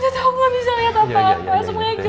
dia tau aku gak bisa liat apa apa